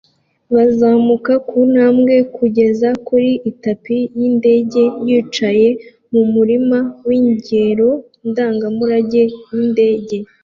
bazamuka kuntambwe kugera kuri itapi yindege yicaye mumurima wingoro ndangamurage yindege